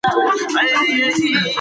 زنداني اوس د ټول هېواد مشر و.